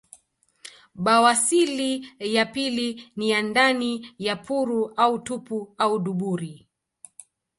Bawasili ya pili ni ya ndani ya puru au tupu au duburi